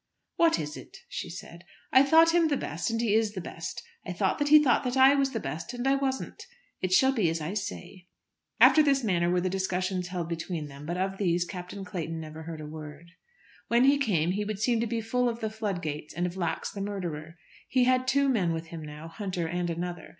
"What is it?" she said. "I thought him the best and he is the best. I thought that he thought that I was the best; and I wasn't. It shall be as I say." After this manner were the discussions held between them; but of these Captain Clayton heard never a word. When he came he would seem to be full of the flood gates, and of Lax the murderer. He had two men with him now, Hunter and another.